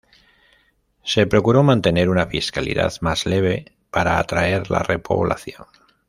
Se procuró mantener una fiscalidad más leve para atraer la repoblación.